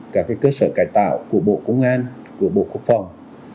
các cơ sở cải tạo của bộ công an của bộ quốc phòng